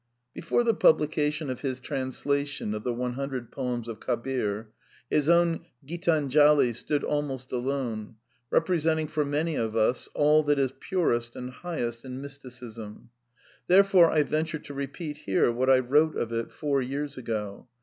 Before the publication of his translation of the One Hutir dred Poems of Kabir, his own Gitanjali stood almost alone, representing for many of us all that is purest and highest in Mysticism. Therefore, I venture to repeat here what I wrote of it four years ago.